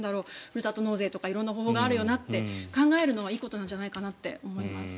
ふるさと納税とか色んな方法があるよなって考えるのはいいことなんじゃないかなって思います。